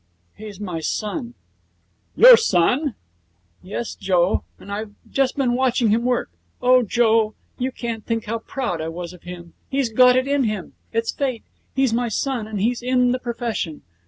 'He's my son.' 'Your son?' 'Yes, Joe. And I've just been watching him work. Oh, Joe, you can't think how proud I was of him! He's got it in him. It's fate. He's my son and he's in the profession!